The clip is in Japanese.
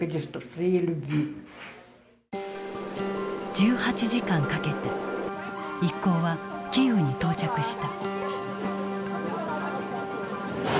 １８時間かけて一行はキーウに到着した。